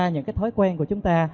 những cái thói quen của chúng ta